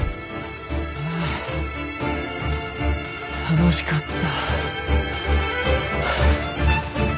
あー楽しかった。